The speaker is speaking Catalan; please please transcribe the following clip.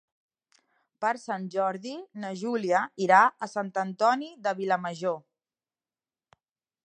Per Sant Jordi na Júlia irà a Sant Antoni de Vilamajor.